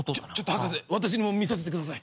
博士私にも見させてください。